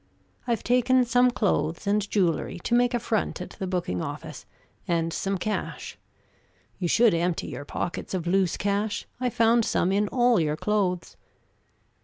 I've taken some clothes and jewelry, to make a front at the booking office, and some cash. You should empty your pockets of loose cash: I found some in all your clothes.